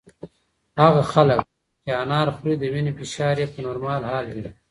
هغه خلک چې انار خوري د وینې فشار یې په نورمال حال وي.